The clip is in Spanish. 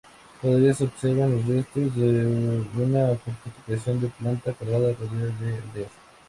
Todavía se observan los restos de una fortificación de planta cuadrada rodeada de aldeas.